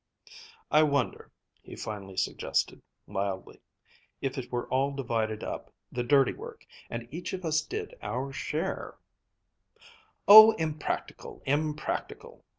"I wonder," he finally suggested mildly, "if it were all divided up, the dirty work, and each of us did our share " "Oh, impractical! impractical!